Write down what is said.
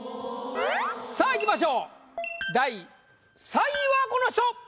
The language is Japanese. さぁいきましょう第３位はこの人！